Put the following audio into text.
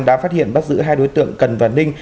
đã phát hiện bắt giữ hai đối tượng cần và ninh